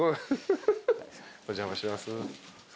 お邪魔します。